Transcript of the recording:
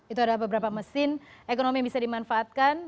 itu ada beberapa mesin ekonomi yang bisa dimanfaatkan